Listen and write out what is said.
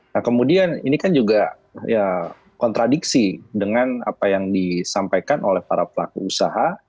nah kemudian ini kan juga ya kontradiksi dengan apa yang disampaikan oleh para pelaku usaha